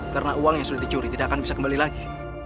karena uang yang sudah dicuri tidak akan bisa kembali lagi